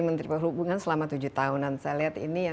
menteri perhubungan selama tujuh tahunan